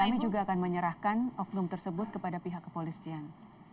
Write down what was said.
dan kami juga akan menyerahkan oknum tersebut kepada pihak kepolisian